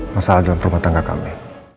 masalah dalam rumah tangga kami